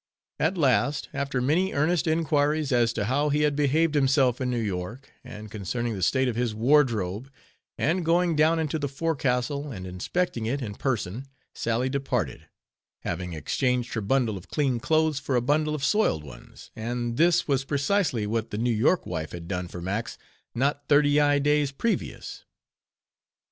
At last, after many earnest inquiries as to how he had behaved himself in New York; and concerning the state of his wardrobe; and going down into the forecastle, and inspecting it in person, Sally departed; having exchanged her bundle of clean clothes for a bundle of soiled ones, and this was precisely what the New York wife had done for Max, not thirty days previous.